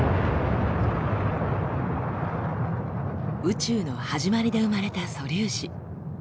宇宙の始まりで生まれた素粒子。